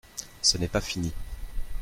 Ce n’est pas fini.